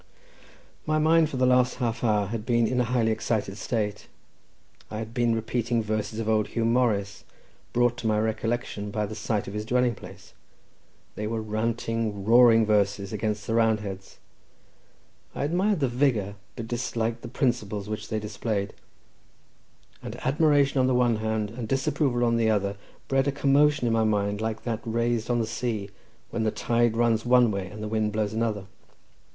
My mind for the last half hour had been in a highly excited state; I had been repeating verses of old Huw Morris, brought to my recollection by the sight of his dwelling place; they were ranting roaring verses, against the Roundheads. I admired the vigour, but disliked the principles which they displayed; and admiration on the one hand, and disapproval on the other, bred a commotion in my mind like that raised on the sea when tide runs one way and wind blows another.